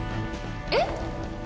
えっ？